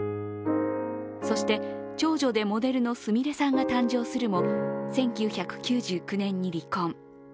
そして、長女でモデルのすみれさんが誕生するも１９９９年に離婚。